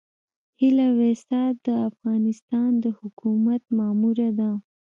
هيله ويسا د افغانستان د حکومت ماموره ده.